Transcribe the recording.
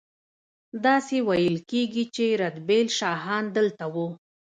داسې ویل کیږي چې رتبیل شاهان دلته وو